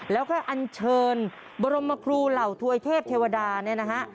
แล้วก็อันเชิญบรมครูเหล่าถวยเทพเทวดาเนี่ยนะฮะ